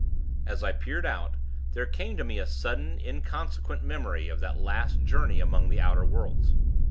As I peered out, there came to me a sudden, inconsequent memory of that last journey among the Outer worlds.